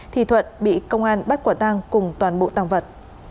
thì thuận bị công an bắt quả tang cùng toàn bộ tăng vật